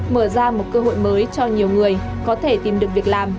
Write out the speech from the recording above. mở ra một cơ hội mới cho nhiều người có thể tìm được việc làm